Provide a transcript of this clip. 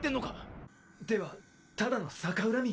ではただの逆恨み？